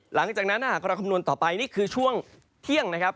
หลังจากนั้นถ้าหากเราคำนวณต่อไปนี่คือช่วงเที่ยงนะครับ